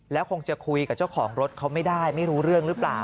แล้วคงจะคุยกับเจ้าของรถเขาไม่ได้ไม่รู้เรื่องหรือเปล่า